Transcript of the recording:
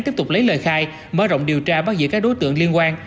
tiếp tục lấy lời khai mở rộng điều tra bắt giữ các đối tượng liên quan